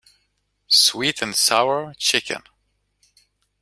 Sweet-and-sour chicken.